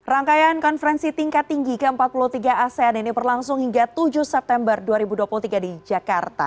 rangkaian konferensi tingkat tinggi ke empat puluh tiga asean ini berlangsung hingga tujuh september dua ribu dua puluh tiga di jakarta